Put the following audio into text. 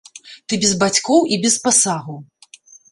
Ты без бацькоў і без пасагу.